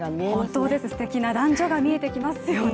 本当です、素敵な男女が見えてきますよね。